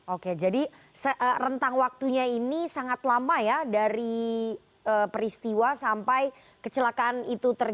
oke jadi rentang waktunya ini sangat lama ya dari peristiwa sampai kecelakaan itu terjadi